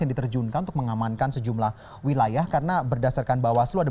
yang diterjunkan untuk mengamankan sejumlah wilayah karena berdasarkan bawaslu ada